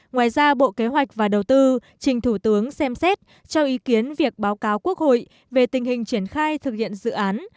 ngoài ra bộ kế hoạch và đầu tư trình thủ tướng xem xét cho ý kiến việc báo cáo quốc hội về tình hình triển khai thực hiện dự án